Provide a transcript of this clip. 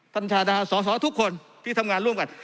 ชาดาสอสอทุกคนที่ทำงานร่วมกัน